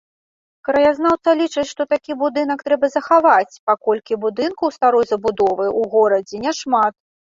Краязнаўца лічыць, што такі будынак трэба захаваць, паколькі будынкаў старой забудовы ў горадзе няшмат.